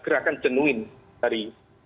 gerakan jenuin dari